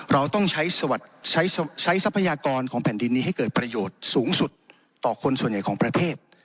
เราต้องใช้ทรัพยากรของแผ่นดินนี้ให้เกิดประโยชน์สูงสุดต่อคนส่วนใหญ่ของประเทศ